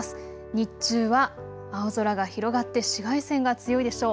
日中は青空が広がって紫外線が強いでしょう。